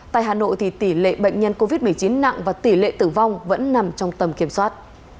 tại hà nội thì tỷ lệ bệnh nhân covid một mươi chín nặng và tỷ lệ tử vong vẫn nằm trong tầm kiểm soát